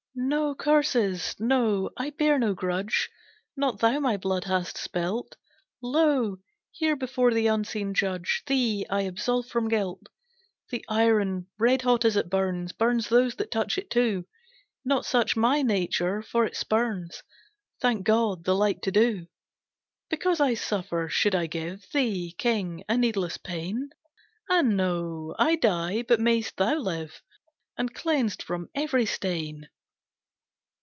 "No curses, no! I bear no grudge, Not thou my blood hast spilt, Lo! here before the unseen Judge, Thee I absolve from guilt. "The iron, red hot as it burns, Burns those that touch it too, Not such my nature, for it spurns, Thank God, the like to do. "Because I suffer, should I give Thee, king, a needless pain? Ah, no! I die, but mayst thou live, And cleansed from every stain!"